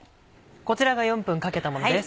こちらが４分かけたものです。